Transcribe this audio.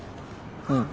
うん。